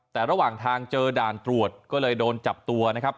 แต่ระหว่างทางเจอด่านตรวจก็เลยโดนจับตัวนะครับ